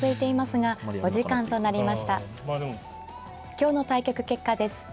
今日の対局結果です。